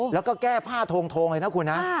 แล้วก็แก้ผ้าโทงเลยนะคุณนะ